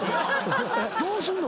どうすんの？